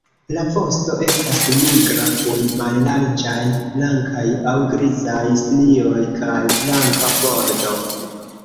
La vosto estas nigra kun mallarĝaj blankaj aŭ grizaj strioj kaj blanka bordo.